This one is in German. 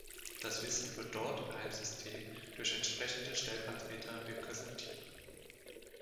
Das Wissen wird dort in einem System durch entsprechende Stellvertreter repräsentiert.